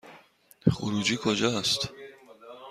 خروجی کجاست؟